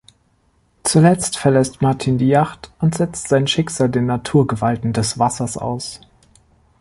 Zuletzt verlässt Martin die Yacht und setzt sein Schicksal den Naturgewalten des Wassers aus.